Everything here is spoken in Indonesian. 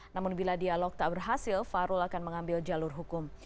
namun bila dialog tak berhasil fahrul akan mengambil jalur hukum